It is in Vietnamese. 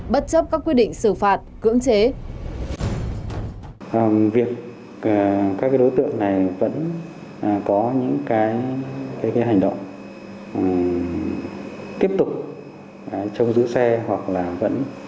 bất chấp các quy định xử phạt cưỡng chế